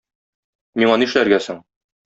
Миңа нишләргә соң?